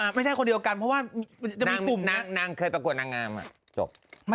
อ่าไม่ใช่คนเดียวกันเพราะว่ามันมีกลุ่มนี้นางนางเคยประกวดนางงามอ่ะ